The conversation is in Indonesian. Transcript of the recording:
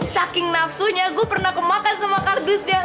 saking nafsunya gue pernah kemakan sama kardusnya